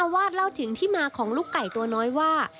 วาดเล่าถึงที่มาของลูกไก่ตัวน้อยว่า